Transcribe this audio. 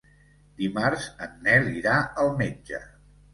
Dimarts en Nel irà al metge.